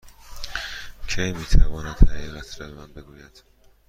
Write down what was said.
کی می تواند حقیقت را به من بگوید؟